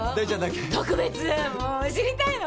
特別もう知りたいの？